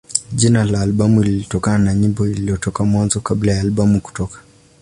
Jina la albamu hii lilitokana na nyimbo iliyotoka Mwanzo kabla ya albamu kutoka.